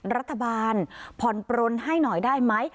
รัฐบาลผ่อนปลนให้หน่อยได้ไหม